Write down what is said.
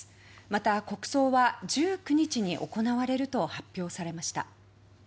また、国葬は１９日に行われると発表されました。